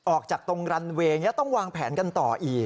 ออกจากตรงรันเวย์แล้วต้องวางแผนกันต่ออีก